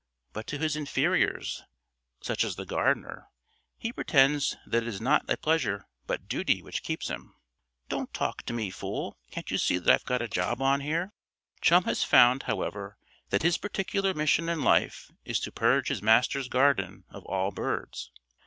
But to his inferiors (such as the gardener) he pretends that it is not pleasure but duty which keeps him. "Don't talk to me, fool. Can't you see that I've got a job on here?" Chum has found, however, that his particular mission in life is to purge his master's garden of all birds.